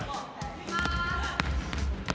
いきます。